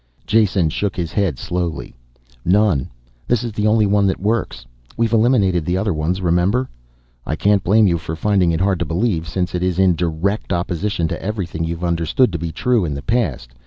Jason shook his head slowly. "None. This is the only one that works. We've eliminated the other ones, remember? I can't blame you for finding it hard to believe, since it is in direct opposition to everything you've understood to be true in the past.